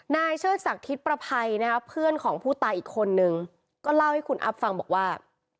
เชิดศักดิ์ทิศประภัยนะครับเพื่อนของผู้ตายอีกคนนึงก็เล่าให้คุณอัพฟังบอกว่า